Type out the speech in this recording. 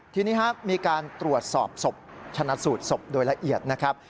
ทีนี้มีการตรวจสอบชนะสูตรศพโดยละเอียด